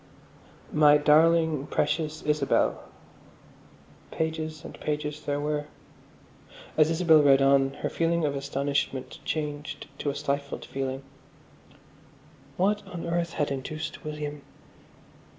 "My darling, precious Isabel." Pages and pages there were. As Isabel read on her feeling of astonishment changed to a stifled feeling. What on earth had induced William...?